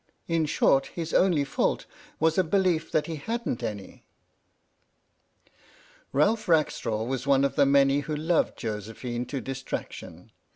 In short, his only fault was a belief that he hadn't any. Ralph Rackstraw was one of the many who loved Josephine to distraction.